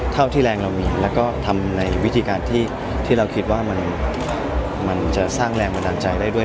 เท่าที่แรงเรามีแล้วก็ทำในวิธีการที่เราคิดว่ามันจะสร้างแรงบันดาลใจได้ด้วย